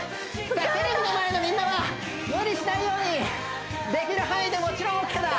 テレビの前のみんなは無理しないようにできる範囲でもちろんＯＫだ！